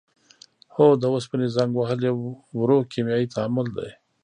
هو د اوسپنې زنګ وهل یو ورو کیمیاوي تعامل دی.